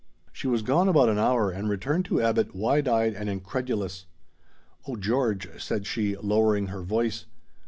She was gone about an hour, and returned to Abbot wide eyed and incredulous. "Oh, George," said she, lowering her voice.